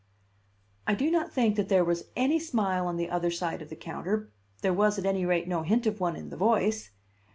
I do not think that there was any smile on the other side of the counter; there was, at any rate, no hint of one in the voice.